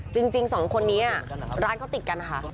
จริงสองคนนี้ร้านเขาติดกันนะคะ